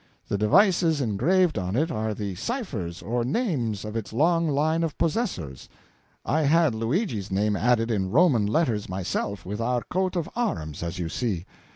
The devices engraved on it are the ciphers or names of its long line of possessors I had Luigi's name added in Roman letters myself with our coat of arms, as you see.